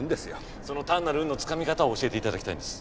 その単なる運のつかみ方を教えていただきたいんです。